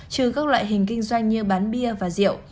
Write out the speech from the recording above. trừ các loại hình kinh doanh như bán bia và rượu